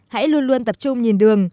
hãy luôn luôn tập trung nhìn đường